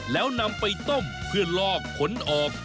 แล้วนำไปต้มเพื่อลอกขนออก